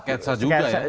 sketsa juga ya